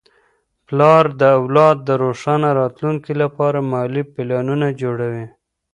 پلار د اولاد د روښانه راتلونکي لپاره مالي پلانونه جوړوي.